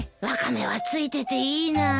ワカメはついてていいな。